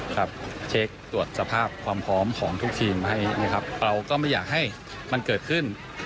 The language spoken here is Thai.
ครับเช็คตรวจสภาพความพร้อมของทุกทีมให้นะครับเราก็ไม่อยากให้มันเกิดขึ้น